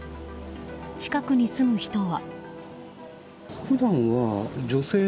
近くに住む人は。